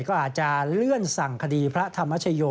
ก็อาจจะเลื่อนสั่งคดีพระธรรมชโย